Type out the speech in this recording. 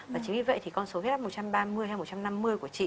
và chính vì vậy thì con số huyết áp một trăm ba mươi hay một trăm năm mươi của chị